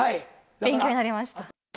勉強になりました。